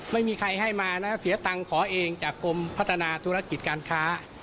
ไม่มีใครให้มานะเสียตังค์ขอเองจากกรมพัฒนาธุรกิจการค้า